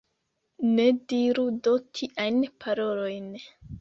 Ne diru do tiajn parolojn!